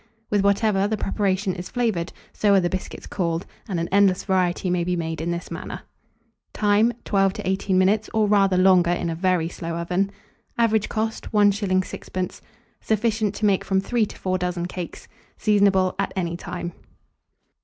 With whatever the preparation is flavoured, so are the biscuits called; and an endless variety may be made in this manner. Time. 12 to 18 minutes, or rather longer, in a very slow oven. Average cost, 1s. 6d. Sufficient to make from 3 to 4 dozen cakes. Seasonable at any time.